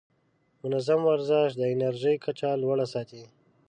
منظم ورزش د انرژۍ کچه لوړه ساتي.